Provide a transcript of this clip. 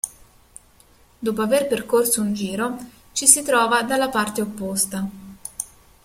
Dopo aver percorso un giro, ci si trova dalla parte opposta.